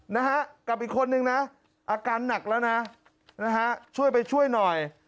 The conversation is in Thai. นะฮะกับอีกคนนึงนะอาการหนักแล้วนะนะฮะช่วยไปช่วยหน่อย